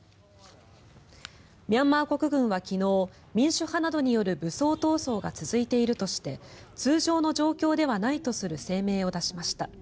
ミャンマー国軍は昨日民主派などによる武装闘争が続いているとして通常の状況ではないとする声明を出しました。